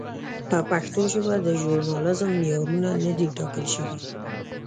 په پښتو ژبه د ژورنالېزم معیارونه نه دي ټاکل شوي.